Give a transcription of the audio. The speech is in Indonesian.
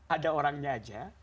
ada orangnya aja